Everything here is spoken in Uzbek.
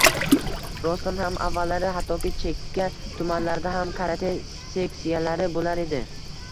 Rostdan ham avallari hattoki chekka tumanlarda ham karate seksiyalari boʻlar edi.